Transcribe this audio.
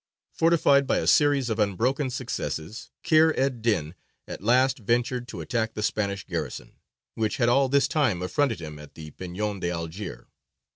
Fortified by a series of unbroken successes, Kheyr ed dīn at last ventured to attack the Spanish garrison, which had all this time affronted him at the Peñon de Alger.